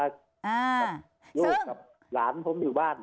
ยกกับหลานผมอยู่บ้าน